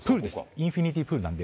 インフィニティープールなんで。